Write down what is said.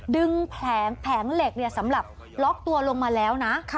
แผงเหล็กสำหรับล็อกตัวลงมาแล้วนะ